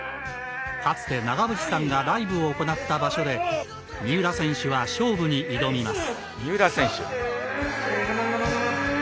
かつて長渕さんがライブを行った場所で三浦選手は勝負に挑みます。